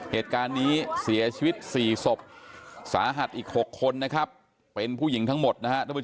เหตุการณ์นี้เสียชีวิต๔ศพสาหัสอีก๖คนเป็นผู้หญิงทั้งหมด